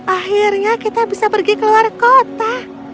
akhirnya kita bisa pergi ke luar kota